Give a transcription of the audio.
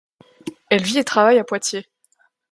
Elle vit et travaille à Poitiers.